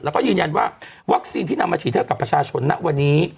แล้วก็ยืนยันว่าวัคซีนที่นำมาฉีดให้กับประชาชนณวันนี้